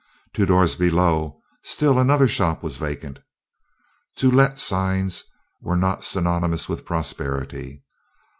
Two doors below, still another shop was vacant. "To Let" signs were not synonymous with prosperity.